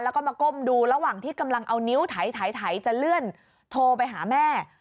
แล้วก็มาก้มดูระหว่างที่กำลังเอานิ้วไถจะเลื่อนโทรไปหาแม่